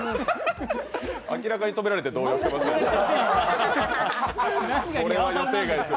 明らかに止められて動揺してます。